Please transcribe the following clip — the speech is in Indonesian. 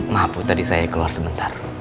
maaf bu tadi saya keluar sebentar